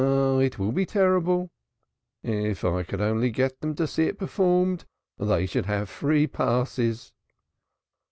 ah, it will be terrible. If I could only get them to see it performed, they should have free passes."